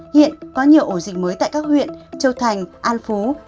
hiện có nhiều ổ dịch mới tại các huyện châu thành an phú hà nội hà nội hà nội